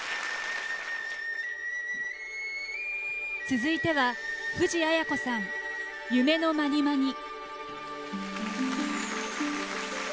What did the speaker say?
続いては藤あや子さん「夢のまにまに」。